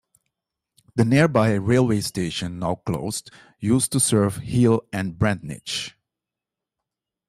The nearby railway station, now closed, used to serve Hele and Bradninch.